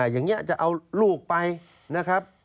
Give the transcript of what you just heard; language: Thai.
อย่างนี้จะเอาลูกไปนะครับ